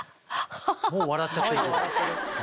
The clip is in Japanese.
もう笑っちゃってる。